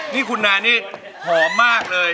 นี่คุณนานี่หอมมากเลย